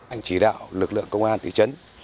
anh chỉ đạo lực lượng công an tỉ trấn